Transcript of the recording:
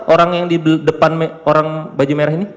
orang yang di depan orang baju merah ini